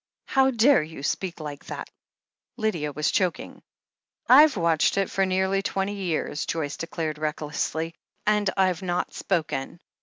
"How dare you speak like that?" Lydia was chok ing. "I've watched it for nearly twenty years," Joyce declared recklessly, "and I've not spoken.